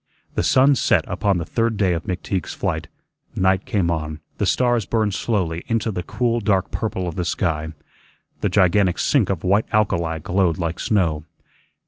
The sun set upon the third day of McTeague's flight, night came on, the stars burned slowly into the cool dark purple of the sky. The gigantic sink of white alkali glowed like snow.